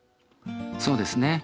そうですね。